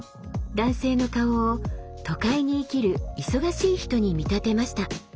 男性の顔を都会に生きる忙しい人に見立てました。